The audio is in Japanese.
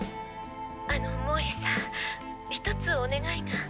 あの毛利さんひとつお願いが。